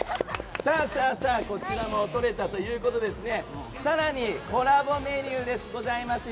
さあ、こちらも撮れたということで更に、コラボメニューがございますよ。